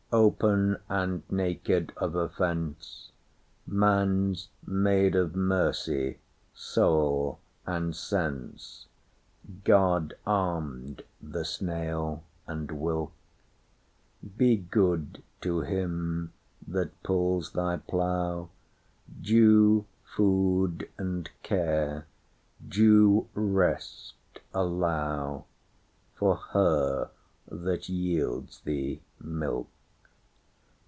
Open and naked of offence, Man's made of mercy, soul, and sense:God armed the snail and wilk; Be good to him that pulls thy plough; Due food and care, due rest allowFor her that yields thee milk.